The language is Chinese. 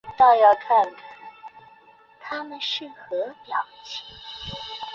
招差术是中国古代数学中的高次内插法。